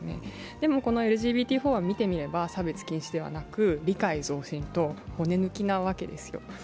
でも、このＬＧＢＴ法案を見てみれば差別禁止ではなく理解増進と骨抜きなわけです。